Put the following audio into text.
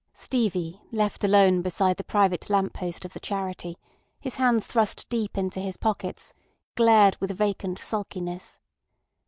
Stevie left alone beside the private lamp post of the Charity, his hands thrust deep into his pockets, glared with vacant sulkiness.